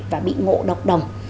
và bị ngộ độc đồng